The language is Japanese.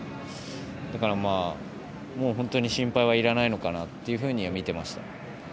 だから、本当に心配はいらないのかなというふうに見ていました。